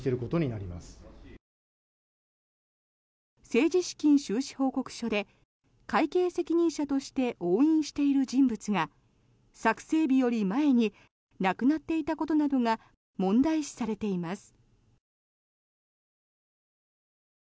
政治資金収支報告書で会計責任者として押印している人物が作成日より前に亡くなっていたことなどが問題視されています。